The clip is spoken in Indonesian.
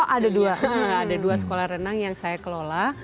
ada dua sekolah renang yang saya kelola